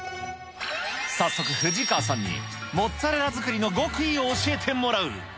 早速、藤川さんにモッツァレラ作りの極意を教えてもらう。